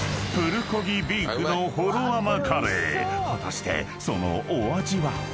［果たしてそのお味は？］